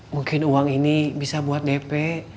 mungkin uang ini bisa buat dp